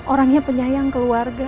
orangnya penyayang keluarga